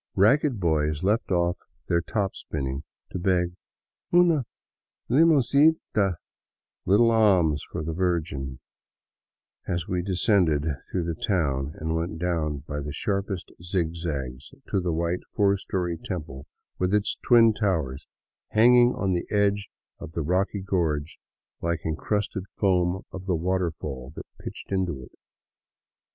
Ragged boys left off their top spinning to beg '' una limosnita — a little alms for the Virgin," as we descended through the town and went down by the sharpest zigzags to the white, four story temple with its twin towers, hanging on the edge of the rocky gorge like encrusted foam of the waterfall that pitched into it.